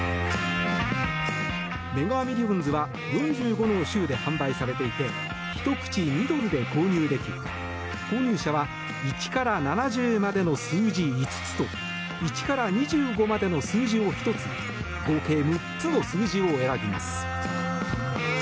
メガ・ミリオンズは４５の州で販売されていて１口２ドルで購入でき購入者は１から７０までの数字５つと１から２５までの数字を１つ合計６つの数字を選びます。